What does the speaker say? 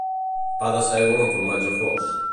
Pa de sègol amb formatge fos